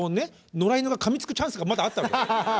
野良犬がかみつくチャンスがまだあったわけ。